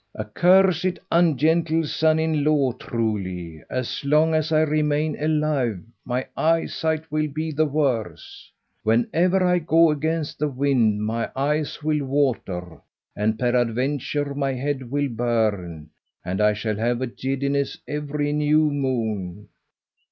"A cursed ungentle son in law, truly. As long as I remain alive my eyesight will be the worse. Whenever I go against the wind my eyes will water, and peradventure my head will burn, and I shall have a giddiness every new moon.